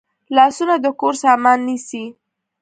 لاسونه د کور سامان نیسي